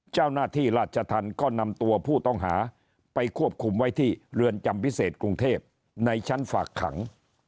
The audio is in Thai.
เจ้าหน้าที่ราชธรรมก็นำตัวผู้ต้องหาไปควบคุมไว้ที่เรือนจำพิเศษกรุงเทพในชั้นฝากขัง